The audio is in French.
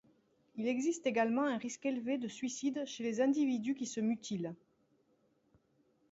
Il existe également un risque élevé de suicide chez les individus qui se mutilent.